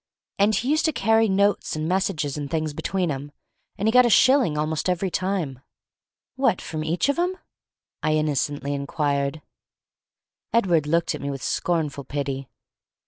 And he used to carry notes and messages and things between 'em, and he got a shilling almost every time." "What, from each of 'em?" I innocently inquired. Edward looked at me with scornful pity.